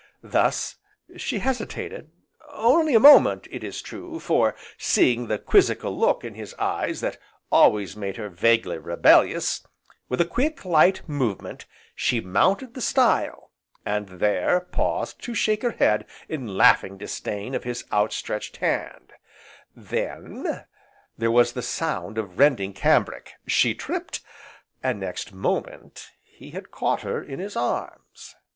Thus, she hesitated, only a moment, it is true, for, seeing the quizzical look in his eyes that always made her vaguely rebellious, with a quick, light movement, she mounted the stile, and there paused to shake her head in laughing disdain of his out stretched hand; then there was the sound of rending cambric, she tripped, and, next moment, he had caught her in his arms.